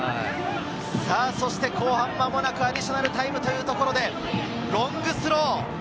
後半、間もなくアディショナルタイムというところで、ロングスロー。